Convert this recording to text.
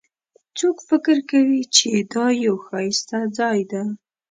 څوک فکر کوي چې دا یو ښایسته ځای ده